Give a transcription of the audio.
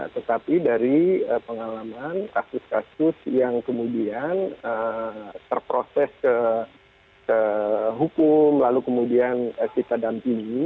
tetapi dari pengalaman kasus kasus yang kemudian terproses ke hukum lalu kemudian kita dampingi